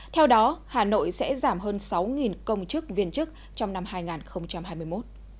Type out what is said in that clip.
theo đó hà nội sẽ giảm hơn sáu công chức viên chức trong năm hai nghìn hai mươi một